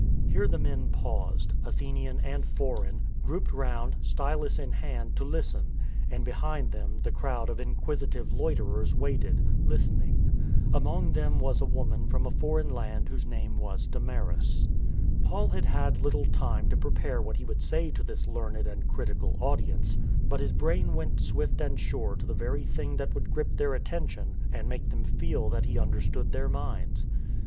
Here the men paused ^— Athenian and foreign — grouped round, stylus in hand, to listen; and behind them the crowd of inquisitive loiterers waited, listen ing. Among these was a woman from a foreign land whose name was Damaris. Paul had had little time to prepare what he would say to this learned and critical audience, but his brain went swift and sure to the very thing that would grip their attention and make them feel that he understood their minds.